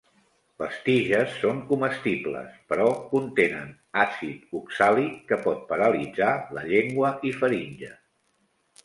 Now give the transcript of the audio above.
Les tiges són comestibles, però contenen àcid oxàlic que pot paralitzar la llengua i faringe.